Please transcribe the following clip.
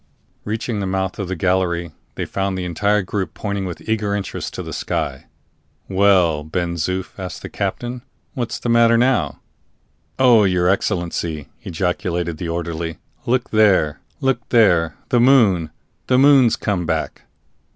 Reaching the mouth of the gallery, they found the entire group pointing with eager interest to the sky. "Well, Ben Zoof," asked the captain, "what's the matter now?" "Oh, your Excellency," ejaculated the orderly, "look there! look there! The moon! the moon's come back!"